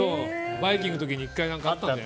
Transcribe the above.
「バイキング」の時に１回あったんだよ。